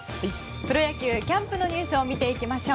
プロ野球、キャンプのニュースを見ていきましょう。